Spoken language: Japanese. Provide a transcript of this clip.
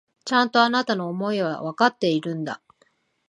ちゃんと、あなたの思いはわかっているんだ。